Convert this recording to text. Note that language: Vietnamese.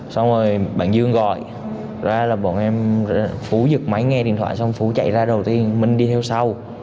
xong rồi bạn dương gọi ra là bọn em phú dựng máy nghe điện thoại xong phú chạy ra đầu tiên mình đi theo sau